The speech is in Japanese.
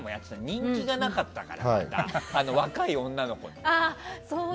人気がなかったから若い女の子に。